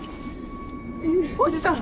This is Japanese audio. おじさん！